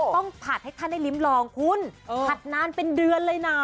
ผัดให้ท่านได้ลิ้มลองคุณผัดนานเป็นเดือนเลยนะ